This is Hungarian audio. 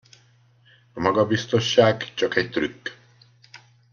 A magabiztosság csak egy trükk.